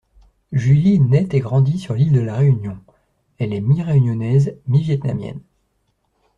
Julie nait et grandit sur l'île de La Réunion, elle est mi-réunionnaise mi-vietnamienne.